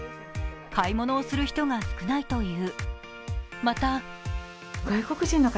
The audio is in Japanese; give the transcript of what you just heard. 買い物をする人が少ないという。